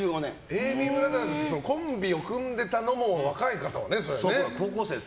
ＡＢブラザーズってコンビを組んでる人も若い人はね。